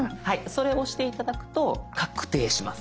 それ押して頂くと確定します。